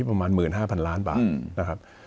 ประมาณ๑๕๐๐๐ล้านบาทนะครับ